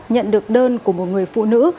nhận được đơn của một người phụ nữ